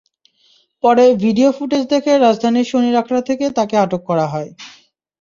পরে video footage দেখে রাজধানীর শনির আখড়া থেকে তাঁকে আটক করা হয়।